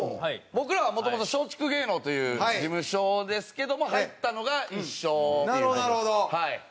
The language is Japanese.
僕らはもともと松竹芸能という事務所ですけども入ったのが一緒っていう。